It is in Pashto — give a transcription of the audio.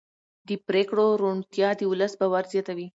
د پرېکړو روڼتیا د ولس باور زیاتوي